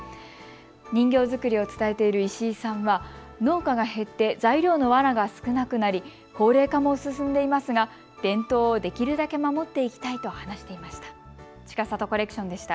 人形作りを伝えている石井さんは農家が減って材料のわらが少なくなり高齢化も進んでいますが伝統をできるだけ守っていきたいと話していました。